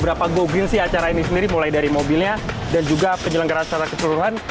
beberapa go green sih acara ini sendiri mulai dari mobilnya dan juga penyelenggara secara keseluruhan